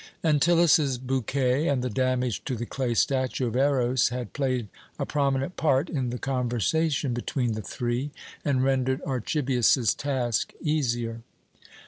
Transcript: Antyllus's bouquet, and the damage to the clay statue of Eros, had played a prominent part in the conversation between the three, and rendered Archibius's task easier.